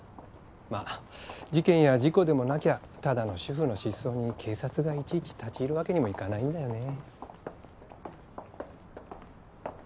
まあ事件や事故でもなきゃただの主婦の失踪に警察がいちいち立ち入るわけにもいかないんだよね。